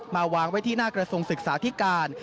วางไว้ที่หน้ากระทรวงศึกษาธิการ